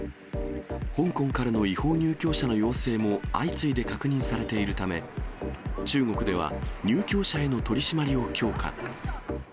香港からの違法入境者の陽性も相次いで確認されているため、中国では入境者への取締りを強化。